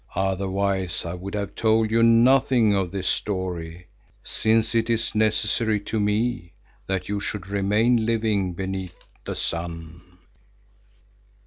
Otherwise I would have told you nothing of this story, since it is necessary to me that you should remain living beneath the sun."